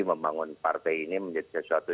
membangun partai ini menjadi sesuatu